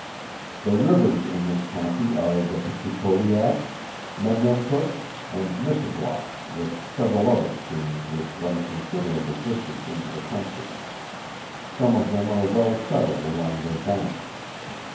The rivers in this county are the Peticodiac, Memramcook, and Missaguash with several other streams which run a considerable distance into the country. Some of them are well settled along their banks.